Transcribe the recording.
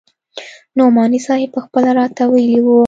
نعماني صاحب پخپله راته ويلي وو.